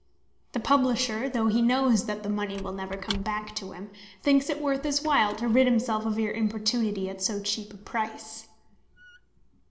The publisher, though he knows that the money will never come back to him, thinks it worth his while to rid himself of your importunity at so cheap a price.